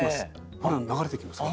ほら流れてきますね。